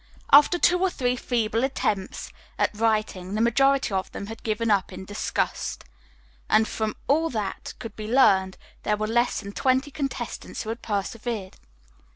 After two or three feeble attempts at writing, the majority of them had given up in disgust, and from all that could be learned there were less than twenty contestants who had persevered.